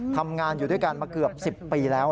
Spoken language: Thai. ทำงานอยู่ด้วยกันมาเกือบ๑๐ปีแล้ว